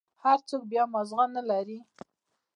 هر سوك بيا مازغه نلري.